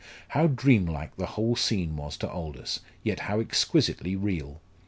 How dream like the whole scene was to Aldous, yet how exquisitely real!